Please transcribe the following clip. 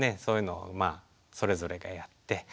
そういうのをまあそれぞれがやって。